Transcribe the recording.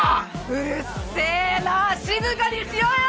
うるせえな静かにしろよ！